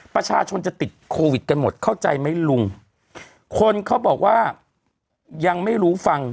ประชาชนจะติดโควิดกันหมดเข้าใจไหมลุงคนเขาบอกว่ายังไม่รู้ฟัง